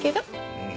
うん。